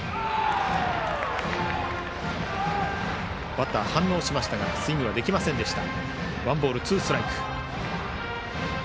バッター、反応しましたがスイングはできませんでした。